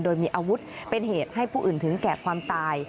โดยมีอาวุธเป็นเหตุให้ผู้อื่นถึงแก่ความตาย